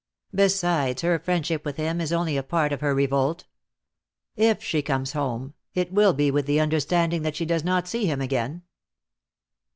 Besides, her friendship with him is only a part of her revolt. If she comes home it will be with the understanding that she does not see him again."